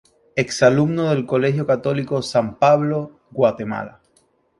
Exalumno del Colegio Católico San Pablo, Guatemala.